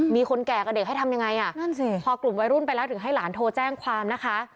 มีคนแก่กับเด็กให้ทำยังไงอ่ะนั่นสิพอกลุ่มวัยรุ่นไปแล้วถึงให้หลานโทรแจ้งความนะคะ